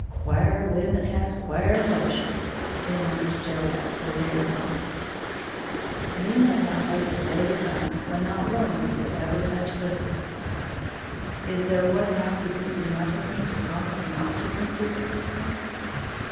"Quare women has quare notions," remarked Joab, forbearingly. "You know I hope the day will come when not one of you will ever touch liquor," I said. "Is there one now who thinks enough of me to promise not to drink this Christmas?"